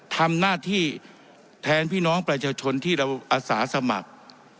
ทำหน้าที่แทนพี่น้องประชาชนที่เราอาสาสมัคร